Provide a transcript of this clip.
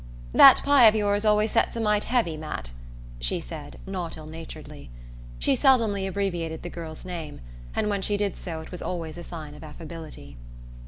"That pie of yours always sets a mite heavy, Matt," she said, not ill naturedly. She seldom abbreviated the girl's name, and when she did so it was always a sign of affability.